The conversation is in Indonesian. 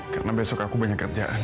karena besok aku banyak kerjaan